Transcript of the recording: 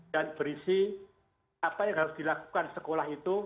dan berisi apa yang harus dilakukan sekolah itu